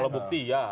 kalau bukti ya